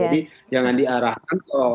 jadi jangan diarahkan